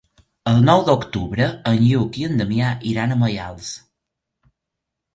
El nou d'octubre en Lluc i en Damià iran a Maials.